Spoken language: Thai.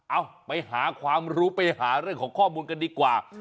เอาไปหาความรู้ไปหาเรื่องของข้อมูลกันดีกว่า